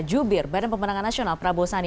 jubir badan pemenangan nasional prabowo sandi